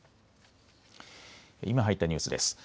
今入ったニュースです。